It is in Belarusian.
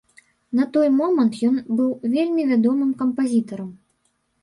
На той момант ён быў вельмі вядомым кампазітарам.